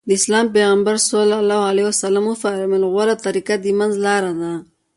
د اسلام پيغمبر ص وفرمايل غوره طريقه د منځ لاره ده.